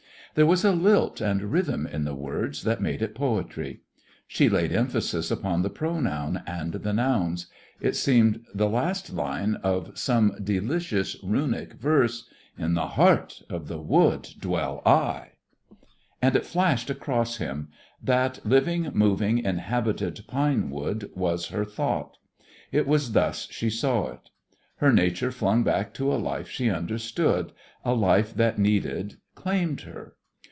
There was a lilt and rhythm in the words that made it poetry. She laid emphasis upon the pronoun and the nouns. It seemed the last line of some delicious runic verse: "In the heart of the wood dwell I...." And it flashed across him: That living, moving, inhabited pine wood was her thought. It was thus she saw it. Her nature flung back to a life she understood, a life that needed, claimed her.